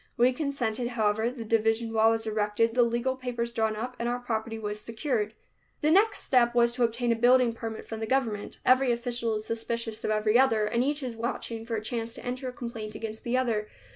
We consented, however, the division wall was erected, the legal papers drawn up and our property was secured. The next step was to obtain a building permit from the government. Every official is suspicious of every other, and each is watching for a chance to enter a complaint against the other.